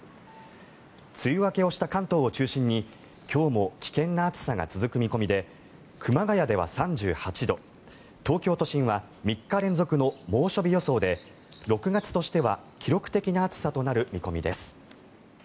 梅雨明けをした関東を中心に今日も危険な暑さが続く見込みで熊谷では３８度東京都心は３日連続の猛暑日予想で６月としては記録的な暑さとなる見込みです。